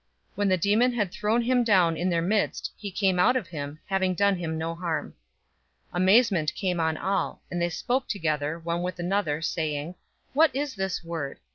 When the demon had thrown him down in their midst, he came out of him, having done him no harm. 004:036 Amazement came on all, and they spoke together, one with another, saying, "What is this word?